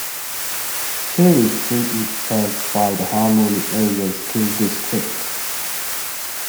Cherry Tree is served by the Harmony Area School District.